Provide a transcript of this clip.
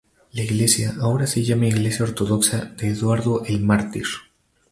La iglesia ahora se llama Iglesia Ortodoxa de Eduardo el Mártir.